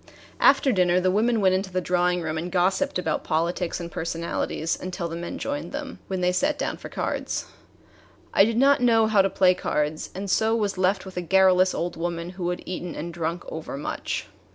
After dinner the women went into the drawing room and gossiped about politics and personalities until the men joined them, when they sat down to cards. I did not know how to play cards, and so was left with a garrulous old woman who had eaten and drunk over much.